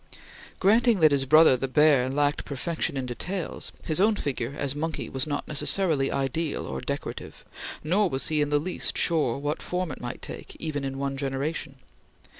Granting that his brother the bear lacked perfection in details, his own figure as monkey was not necessarily ideal or decorative, nor was he in the least sure what form it might take even in one generation.